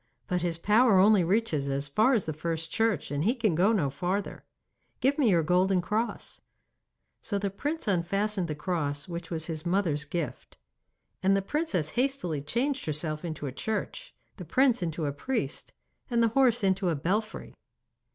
But his power only reaches as far as the first church, and he can go no farther. Give me your golden cross.' So the prince unfastened the cross which was his mother's gift, and the princess hastily changed herself into a church, the prince into a priest, and the horse into a belfry.